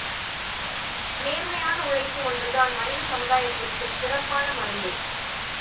நேர்மையான உழைப்பு ஒன்றுதான் மனித சமுதாயத்திற்குச் சிறப்பான மருந்து.